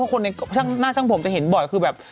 คนในหน้าช่างผมจะเห็นบ่อยคือแบบ